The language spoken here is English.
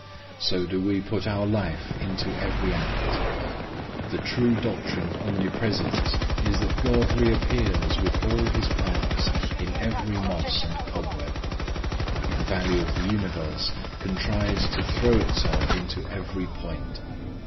So do we put our life into every act. The true doctrine of omnipresence is that God reappears with all his parts in every moss and cobweb. The value of the universe contrives to throw itself into every point.